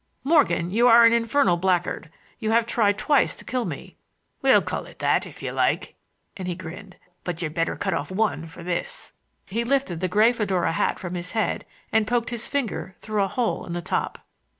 "Morgan, you are an infernal blackguard. You have tried twice to kill me—" "We'll call it that, if you like,"—and he grinned. "But you'd better cut off one for this." He lifted the gray fedora hat from his head, and poked his finger through a hole in the top.